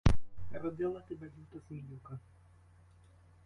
Родила тебе люта зміюка.